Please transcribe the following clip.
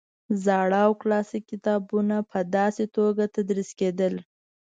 زاړه او کلاسیک کتابونه په داسې توګه تدریس کېدل.